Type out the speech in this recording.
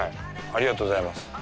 ありがとうございます。